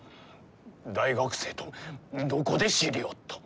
大学生とどこで知り合った？